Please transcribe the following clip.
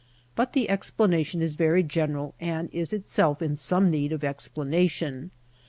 But the explanation is very general and is itself in some need of explanation.